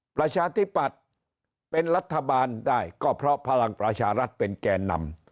ประชาธิปัตย์เป็นรัฐบาลได้ก็เพราะพลังประชารัฐเป็นแก่นำ